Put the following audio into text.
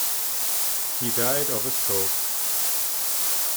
He died of a stroke.